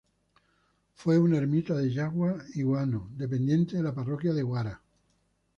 Fue una ermita de yagua y guano dependiente de la parroquia de Guara.